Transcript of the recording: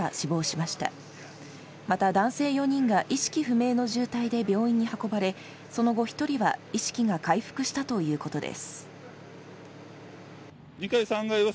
また、男性４人が意識不明の重体で病院に運ばれその後、１人は意識が回復したということです。